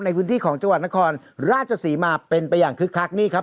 ในพื้นที่ของจังหวัดนครราชศรีมาเป็นไปอย่างคึกคักนี่ครับ